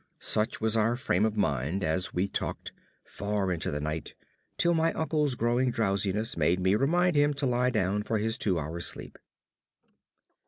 Such was our frame of mind as we talked far into the night, till my uncle's growing drowsiness made me remind him to lie down for his two hour sleep.